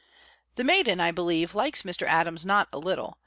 The maiden, I believe, likes Mr. Adams not a little.